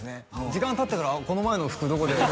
時間たってから「この前の服どこで」